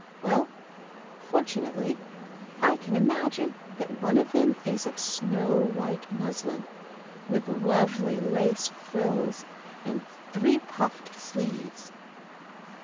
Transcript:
Well, fortunately I can imagine that one of them is of snow white muslin with lovely lace frills and three puffed sleeves."